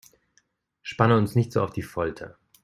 Spanne uns nicht so auf die Folter!